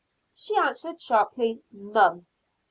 She answered sharply, "None!"